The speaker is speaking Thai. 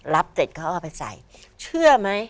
เสร็จเขาเอาไปใส่เชื่อไหม